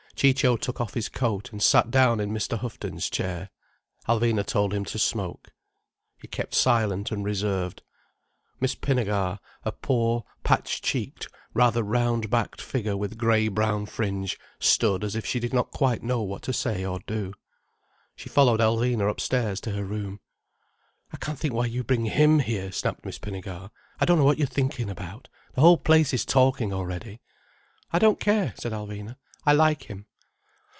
Ciccio took off his coat and sat down in Mr. Houghton's chair. Alvina told him to smoke. He kept silent and reserved. Miss Pinnegar, a poor, patch cheeked, rather round backed figure with grey brown fringe, stood as if she did not quite know what to say or do. She followed Alvina upstairs to her room. "I can't think why you bring him here," snapped Miss Pinnegar. "I don't know what you're thinking about. The whole place is talking already." "I don't care," said Alvina. "I like him."